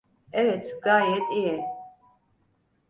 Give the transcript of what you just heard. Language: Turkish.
Evet, gayet iyi.